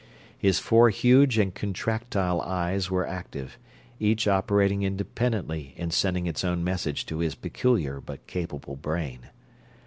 His four huge and contractile eyes were active, each operating independently in sending its own message to his peculiar but capable brain.